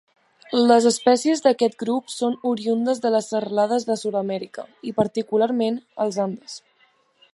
Les espècies d'aquest grup són oriündes de les serralades de Sud-amèrica i, particularment, els Andes.